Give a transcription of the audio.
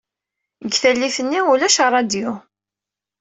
Deg tallit-nni ulac rradyu.